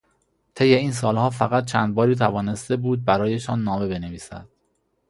طی این سالها فقط چند باری توانسته بود برایشان نامه بنویسد.